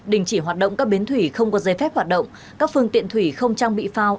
đình chỉ hoạt động các bến thủy không có dây phép hoạt động các phương tiện thủy không trang bị phao